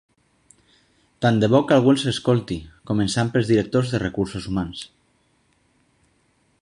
Tant de bo que algú els escolti, començant pels directors de recursos humans!